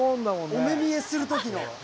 お目見えする時の。